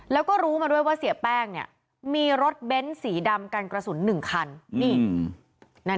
แล้วก็รู้มาด้วยว่าเสียแป้งเนี่ยมีรถเบ้นสีดำกันกระสุน๑คัน